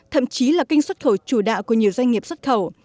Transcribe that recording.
thậm chí là kinh xuất khẩu chủ đạo của nhiều doanh nghiệp xuất khẩu